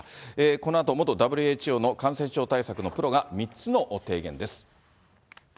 このあと元ＷＨＯの感染症対策のプロが３つの提言です。